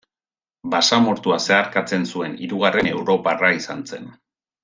Basamortua zeharkatzen zuen hirugarren europarra izan zen.